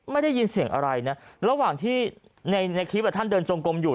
ไม่ได้ยินเสียงอะไรนะระหว่างที่ในคลิปท่านเดินจงกลมอยู่